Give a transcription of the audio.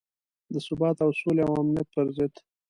د ثبات او سولې او امنیت پر ضد.